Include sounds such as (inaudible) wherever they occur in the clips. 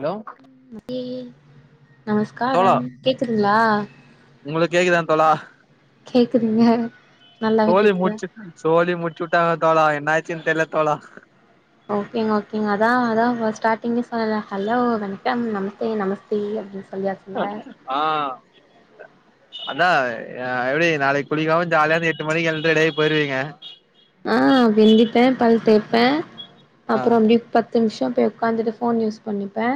hello இல்லயே தோழா நமஸ்காரம் கேக்குதுங்களா உங்களுக்கு கேக்குதாங் தோழா கேக்குதுங்க நல்லாவே சோலி கேக்குதா முட்ஞ்ச் சோழி முட்ச்சுவுட்டாங்க தோழா என்னாயச்சின்னு தெரில தோழா ஓகேங்க ஓகேங்க அதா அதா ஸ்டார்டிங்கு சொல்லல ஹலோ வணக்கம் நமஸ்தே நமஸ்தே அப்டினு சொல்லியாச் ஆ அண்ணா ஆ அது நாளைக்கி குளிக்காமா ஜாலியாந்து எட்டு மணிக்கு எழுந்து அப்டியே போயிடுவீங்க ஆ வெந்திப்பே பல் தேப்பே ஆ அப்றோ அப்டி பத்து நும்ஷொ பெய் உக்காந்துட் ஃபோன் யூஸ் பண்ணிப்பே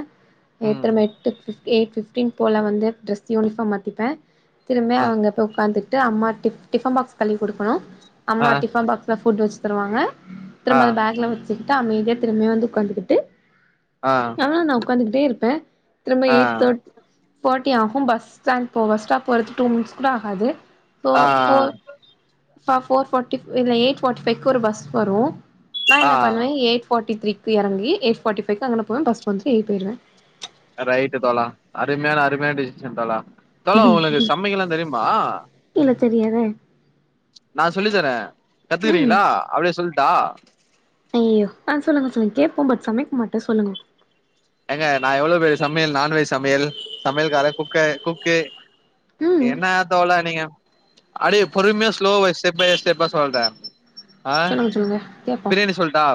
எத்தர ம் மெய்ட் ட் ஃபிஃப் எய்ட் ஃபிப்டின் போல வந்து ட்ரெஸ் யுனிஃபார்ம் மாத்திப்பே திரும்பெ ஆ அவங்க போஉக்காந்துட் ட்டு அம்மா டிஃப் டிஃபன்பாக்ஸ் கழுவிகுடுக்கணு அம்மா ஆ டிஃபன் பாக்ஸ்ல ஃபுட்வச்சு தருவாங்க ஆ திரும்ப அத பேக்ல வச்சுட்டா அமைதியா திரும்பெ வந்து உக்காந்துகிட்டு ஆ நா உக்காந்த்கிட்டே இர்ப்பே திரும்ப ஆ எயிட் தேட் ஃபோட்டி ஆகு பஸ் ஸ்டாண்ட் போவ பஸ்டாப் போறதுக் டூ மினிட்ஸ் கூட ஆகாது ஃபோ ஆ ஃபோர் ஃப ஃபோர் ஃபோட்டி இல்ல எயிட் ஃபோட்டி ஃபைக்கு ஒரு பஸ் வரு நா ஆ என்ன பண்வே எயிட் ஃபாட்டி த்ரீக்கு போய் எறங்கி எயிட் ஃபாட்டி ஃபைக்கு அங்கெனா போவே பஸ் வந்துரு ஏறி போய்ருவே அ ரைட் தோழா அருமயான அருமயான டிசிஷன் தோழா தோழா உனக்கு சமக்கலாந் தெரியுமா இல்ல தெரியாதே நா சொல்லி தரே ம் கத்துக்குறீங்களா அப்டியே சொல்ட்டா ஐயயோ ஆ சொல்லுங்க சொல்லுங்க கேப்போ பட் சமைக்மாட்டோ சொல்லுங்க ஏங்க நா எவ்ளோ பெரிய சமயல் நான்வெஜ் சமயல் சமயல் காரே குக்கர் குக்கு ம் என்னா தோழா நீங்க அரே பொறுமையா ஸ்லோவாய் ஸ்டெப் பையா ஸ்டெப்பா சொல்ற ஆ சொல்லுங்க சொல்லுங்க கேப்போ பிரியாணி சொல்ட்டா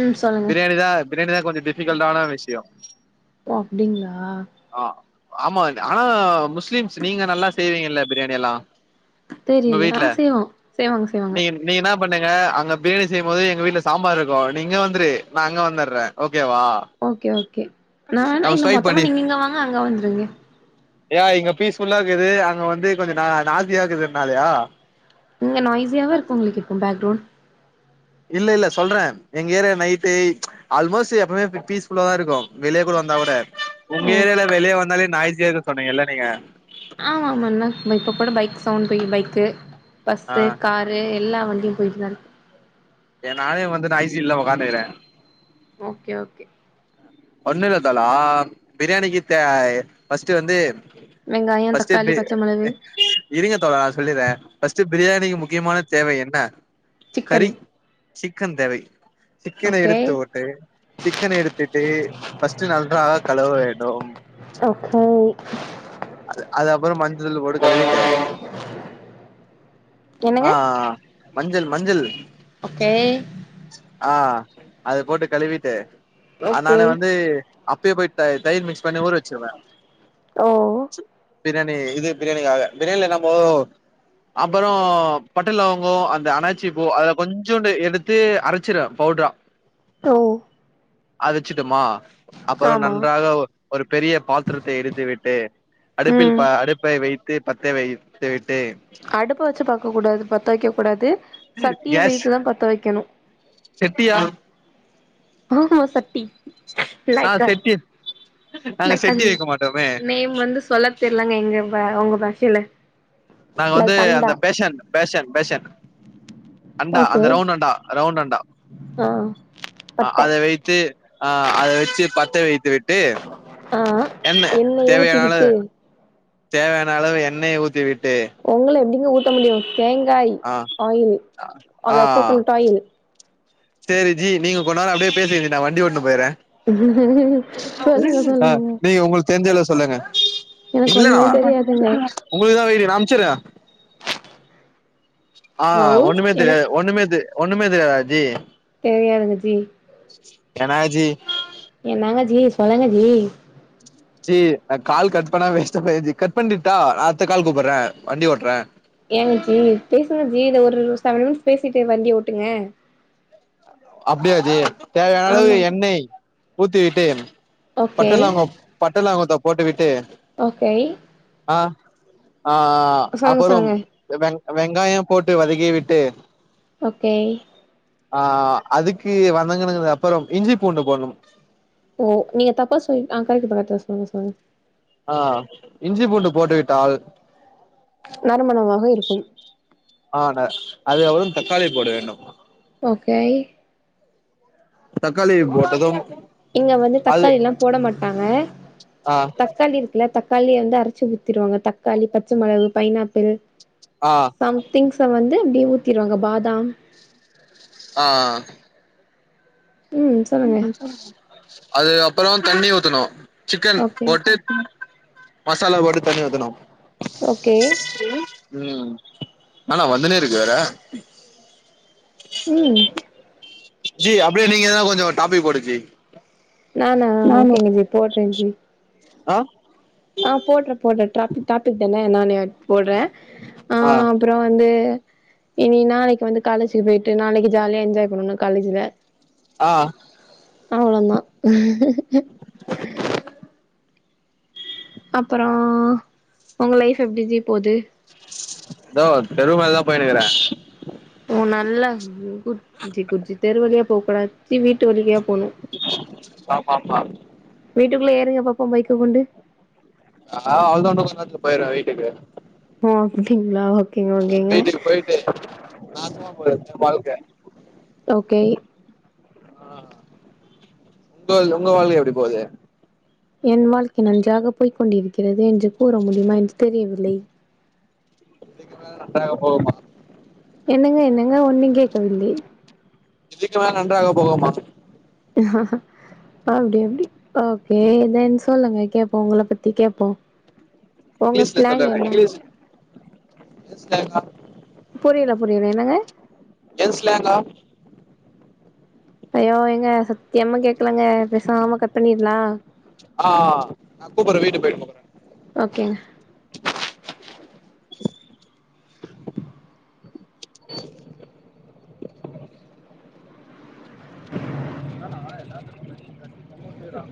ம் சொல்லுங்க பிரியாணி தா பிரியாணி தா கொஞ்ச டிஃப் கல்டான விஷ்யோ ஓ அப்டிங்களா அ ஆமான ஆனா முஸ்லிம்ஸ் நீங்க நல்லா செய்வீங்கல்ல பிரியாணி எல்லா ஒங்க தெரியல ஆ வீட்ல செய்வோ செய்வாங்க செய்வாங்க டீம் நீங்க என்னா பண்ணுங்க அங்க பிரியாணி செய்யும்போது எங்க வீட்ல சாம்பார்ருக்கு நீ இங்க வந்த்ரு நா அங்க வந்துறே ஓக் கேவா ஓகே ஓகே நா வேணா இல்ல மொத்தமா பண்ணி நீங்க இங்க வாங்க அங்க வந்த்ருங்க யா இங்க பீஸ்ஃபுல்லா இர்க்குது அங்க வந்து கொஞ்ச நா நாஸ்தியா இர்க்குதுன்னாலயா இங்க நாய்ஸியவா இருக்கு உங்களுக் இப்போ பேக்ரவுண்ட் இல்ல இல்ல சொல்றே எங்க ஏரியா நைட்டு ம்ச் ஆல்மோஸ்ஸு எப்பமே பீ பீஸ்ஃபுல்லா தா இருக்கு வெளிய கூட வந்தா கூட உங்க ஓ ஏர்யால வெளிய வந்தாலே நாய்ஸியா இருக்குன் சொன்னிங்கல்ல நீங்க ஆமா ஆமா நா இந்தா இப்ப கூட பைக் சவுண்ட் போய் பைக்கு ஆ பஸ்ஸு கார் ரு எல்லா வண்டியு போயிட்டுதா இருக்கு எ நானே வந்து நா ஐசில்ல உக்காந்துக்குறே ஓகே ஓகே ஒண்ணு இல்ல தோழா பிரியாணிக்கு தே ஃபர்ஸ்ட் வந்து வெங்காயோ ஃபர்ஸ்ட் தக்காளி எப்டி பச்ச மொளகு எ இருங்க தோழா சொல்லிறே ஃபர்ஸ்ட் பிரியாணிக்கு முக்கியமான தேவ எண்ணெ கறி சிக்கன் சிக்கன் தேவை சிக்கன ஓகே எடுத்து ஓட்டு சிக்கன் எடுத்துட் டு ஃபர்ஸ்ட்டு நன்றாக கழுவ வேண்டும் ஓகே அது அது அப்புறோ மஞ்சதூள் போட்டு கழுவிட்டு என்னங்க ஆஆஆ மஞ்சள் மஞ்சள் ஓகே ஆ அது போட்டு கழுவிட்டு அது ஓகே நானே வந்து அப்பயே போயி தை தைர் மிக்ஸ் பண்ணி ஊற வச்சிருவே ஓ ச் பிரியாணி இது பிரியாணி ஆக பிரியாணில நம்போ அப்பறோ பட்ட லவங்கோ அந்த அனாச்சி பு அதுல கொஞ்சோண்டு எடுத் த்து அரச்சுருவே பவுட்ரா தே அரச்சிட்டோமா அப்பறம் ஆமா நன்றாக ஒ ஒரு பெரிய பாத்திரத்தை எடுத்து விட்டு அடுப்பில் ம் பா அடுப்பை வைத்து பத்த வைத்துவிட்டு அடுப் வச்சு பாக்கக் கூடாது பத்த வைக்கக் கூடாது சட்டிய கேஸ் வைத்துதா பத்த வைக்கணு செட்டியா (unintelligible) சத்தி நா லைக்க செட்டி நாங்க லைக்க செட்டி வைக்க மாட்டோமே நேம் வந்து சொல்ல தெரிலாங்க எங்க உங்க பாஷையில நாங்க வந்து அந்த பேஷன் பேஷன் பேஷன் அண்டா ஓகே அந்த ரவுண்ட் அண்டா ரவுண்ட் அண்டா ஆ பட்ட அதை வைத்து ஆ அத வெச்சு பத்த வைத்து விட் டு ஆ எண்ண எண்ணெய ஊத்தி தேவையான அளவு விட்டு தேவையான அளவு எண்ணெய் ஊத்திவிட்டு உங்கள எப்டிங்க ஊத்த முடியு தேங்காய் ஆ ஆயில் ஆ அதா கோக்கோனட் ஆயில் சேரி ஜி நீங்க கொஞ்ச நேரோ அப்டியே பேசறீங்க நா வண்டி ஒட்டு போயறே சொல்லுங்க ஆ சொல்லுங்க நீங்க உங்களுக்கு தெரிஞ்ச அளவு சொல்லுங்க எனக்கு இல்லண்ணா ஒண்ணுமே தெரியாதுங்க உங்களுக்குதா வெயிட்டிங் நா அம்ச்சறே ஆ ஹலோ ஒண்ணுமே தெரியா எனக்கு ஒண்ணுமே தெ ஒண்ணுமே தெரியாதா ஜி தெரியாதுங்க ஜி என்னா ஜி என்னங்க ஜி சொல்லுங்க ஜி (inaudible) ஜி நா கால் கட் பண்ண வேஸ்ட்டா போயிரு ஜி கட் பண்ணிட்டா நா அடுத்த கால் கூப்பட்றே வண்டி ஓட்ற ஏங்க ஜி பேசுங்க ஜி இத ஒரு செவன் மினிட்ஸ் பேசிட்டு வண்டி ஓட்டுங்க அப்டியா ஜி தேவையான அளவு ஆமா எண்ணெய் ஊத்தி விட்டு பட்ட ஓகே லவங்கம் பட்ட லவங்கத்த போட்டு விட்டு ஓகே ஆ ஆ சொல்லுங்க அப்புறம் சொல்லுங்க வெங் வெங்காயம் போட்டு வதக்கி விட்டு ஓகே ஆ அதுக்கு வதங்குனதுக்கு அப்புறம் இஞ்சி பூண்டு போடணும் ஓ நீங்க தப்பா சொல்லி ஆ கரெக்ட்டு கரெக்ட்டு சொல்லுங்க சொல்லுங்க ஆ இஞ்சி பூண்டு போட்டு விட்டால் நறுமணமாக இருக்கும் ஆ அதுக்கபுறம் தக்காளி போட வேண்டும் ஓகேஐ தக்காளியை போட்டதும் இங்க வந்து அது தக்காளிலா போட மாட்டாங்க ஆ தக்காளி இல்ல தக்காளிய வந்து அரச்சு ஊத்திருவாங்க தக்காளி பச்ச மிளவு பைனாப்பிள் ஆ சம்திங்ஸ வந்து அப்டி ஊத்திருவாங்க பாதாம் ஆ ம் சொல்லுங்க அது அப்புறோ தண்ணி ஊத்தனு சிக்கன் ஓகே போட்டு மசாலா போட்டு தண்ணீ ஊத்தணு ஓகே ம் ஆனா வந்துனே இருக்குது வேற ம் ஜி அப்படியே நீங்க எதானா கொஞ்சோ டாபிக் போடு ஜி நானா நானு ஓகேங்க ஜி போடுறே ஜி ஆ ஆ போட்ற போட்ற (unintelligible) டாபிக் தானே நானே போட்றே ஆ அப்புற வந்து இனி நாளைக்கு வந்து காலேஜுக்கு போயிட்டு நாளைக்கு ஜாலியா என்ஜாய் பண்ணனு காலேஜ்ல ஆ அவ்ளோந்தா அப்புற உங்க லைஃப் எப்டி ஜி போது தோ தெரு மொனைக்குதா பொய்னுக்கிற ஓ நல்லா குட் ஜி குட் ஜி தெரு வழியா போக்கூடாதுனு வீட்டு வழியா போன ஆமாமா வீட்டுக்குள்ள ஏறுங்க பாப்போ பைக்க கொண்டு ஆ அவ்ளதா இன்னு கொஞ்ச நேரத்துல போய்ருவ வீட்டுக்கு ஓ அப்டிங்களா ஓகேங்க ஓகேங்க து நாசமா போக வாழ்க்க ஓகே ப்ரோ உங்க வாழ்க்க எப்டி போகுது என் வாழ்க்கை நன்றாக போய்க் கொண்டிருக்கிறது என்று கூற முடியுமா என்று தெரியவில்லை இதுக்கு மேல நன்றாக போகுமா என்னங்க என்னங்க ஒன்னுங் கேக்கவில்லை இதுக்கு மேல நன்றாக போகுமா ஆஹ அப்டி அப்டி ஓகே தென் சொல்லுங்க கேப்போ உங்கள பத்தி கேப்போ உங்க இங்கிலிஷ்ல ஸ்லாங் சொல்றங்க என்ன இங்கிலிஷ் இங்கிலிஷ் புரியல புரியல என்னங்க ஜென்ஸ்லாங்கா ஐயோ ஏங்க சத்தியம்மா கேக்கலங்க பெசாம கட் பண்ணிர்லா ஆ நா கூப்புற வீட்டுக்கு போயிட்டு கூப்புற ஓகேங்க எல்ல